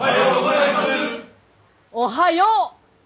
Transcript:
おはよう！